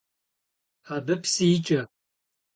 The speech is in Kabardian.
Абы псы икӀэ.